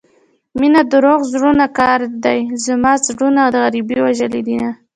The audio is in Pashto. مينه دروغو زړونو كار دى زموږه زړونه غريبۍ وژلي دينه